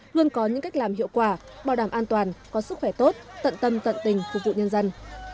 luôn có những cách làm hiệu quả bảo đảm an toàn có sức khỏe tốt tận tâm tận tình phục vụ nhân dân